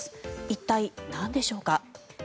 一体なんでしょうか。